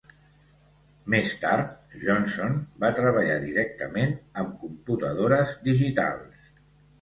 Més tard Johnson va treballar directament amb computadores digitals.